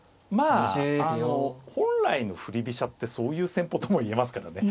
あの本来の振り飛車ってそういう戦法とも言えますからね。